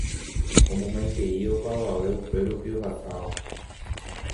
Omomaitei opavave upérupi ohasáva